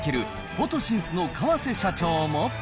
フォトシンスの河瀬社長も。